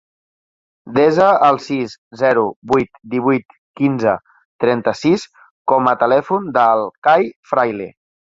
Desa el sis, zero, vuit, divuit, quinze, trenta-sis com a telèfon del Cai Fraile.